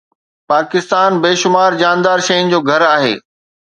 پاڪستان بيشمار جاندار شين جو گهر آهي